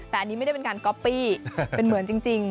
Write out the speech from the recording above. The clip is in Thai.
แต่อันนี้ไม่ได้เป็นการก๊อปปี้เป็นเหมือนจริง